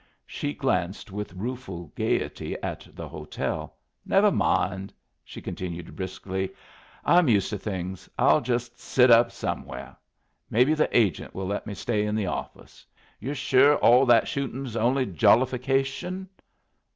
She glanced with rueful gayety at the hotel. "Never mind," she continued, briskly; "I'm used to things. I'll just sit up somewhere. Maybe the agent will let me stay in the office. You're sure all that shooting's only jollification?"